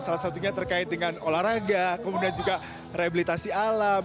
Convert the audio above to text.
salah satunya terkait dengan olahraga kemudian juga rehabilitasi alam